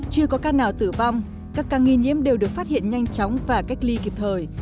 chưa có ca nào tử vong các ca nghi nhiễm đều được phát hiện nhanh chóng và cách ly kịp thời